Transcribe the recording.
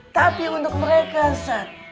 tapi untuk mereka ustadz